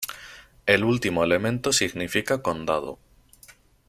El último elemento significa condado.